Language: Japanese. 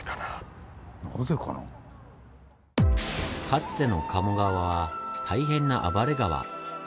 かつての鴨川は大変な暴れ川。